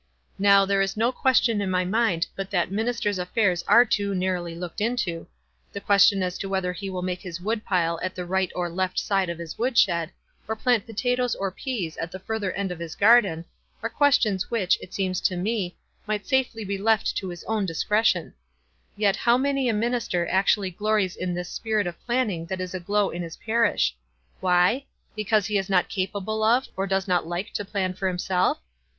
Now there is no question in my mind but that minister's affairs are too nar rowly looked into — the question as to whether he will make his woodpile at the right or left side of his woodshed, or plant potatoes or peas at the further end of his garden, are questions which, it seems to me, might safely be left to his own discretion ; yet how many a minister ac tually glories in this spirit of planning that is agiow in his parish. Why? Because he is not capable of or does not like to plan for himself?